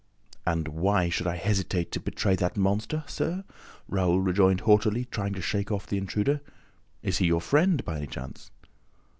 "And why should I hesitate to betray that monster, sir?" Raoul rejoined haughtily, trying to shake off the intruder. "Is he your friend, by any chance?"